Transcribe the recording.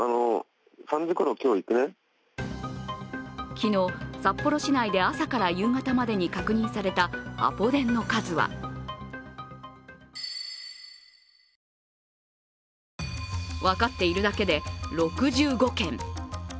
昨日、札幌市内で朝から夕方までに確認されたアポ電の数は分かっているだけで６５件。